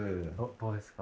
どうですか？